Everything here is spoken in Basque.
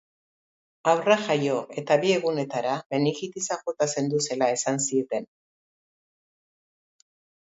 Haurra jaio eta bi egunetara, meningitisak jota zendu zela esan zieten.